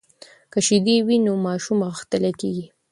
که شیدې وي نو ماشوم غښتلۍ کیږي.